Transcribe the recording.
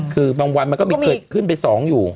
คือบางวันมันก็มีเกิดขึ้นไป๒อยู่